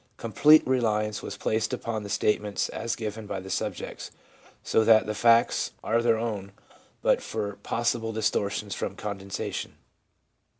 Complete reliance was placed upon the statements as given by the subjects, so that the facts are their own but for possible distortions from condensation.